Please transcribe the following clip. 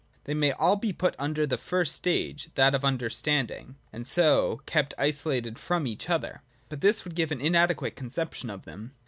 They may all | be put under the first stage, that of understanding, and so kept isolated from each other ; but this would give an inadequate conception of them.